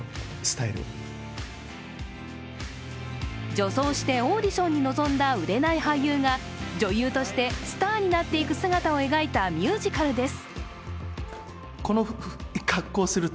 女装してオーディションに臨んだ売れない俳優が女優としてスターになっていく姿を描いたミュージカルです。